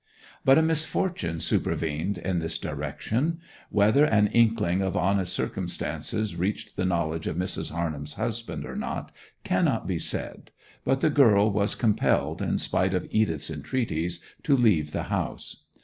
But a misfortune supervened in this direction. Whether an inkling of Anna's circumstances reached the knowledge of Mrs. Harnham's husband or not cannot be said, but the girl was compelled, in spite of Edith's entreaties, to leave the house.